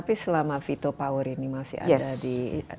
tapi selama veto power ini masih ada di